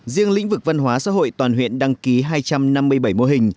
riêng lĩnh vực văn hóa xã hội toàn huyện đăng ký hai trăm năm mươi bảy mô hình